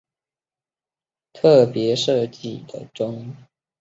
潮汐钟是一种依据月球环绕地球的视运动特别设计的钟。